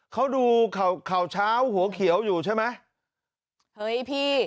เขาดูข่าวข่าวเช้าหัวเขียวอยู่ใช่ไหมเฮ้ยพี่